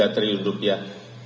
tiga triliun rupiah